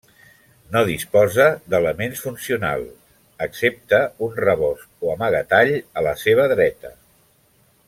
No disposa d'elements funcionals, excepte un rebost o amagatall a la seva dreta.